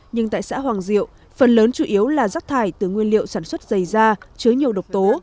nhưng tại xã hoàng diệu phần lớn chủ yếu là rác thải từ nguyên liệu sản xuất dày da chứa nhiều độc tố